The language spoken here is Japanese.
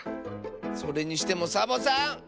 それにしてもサボさん！